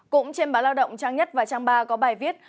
cũng trên báo lao động trang nhất và trang ba có bài viết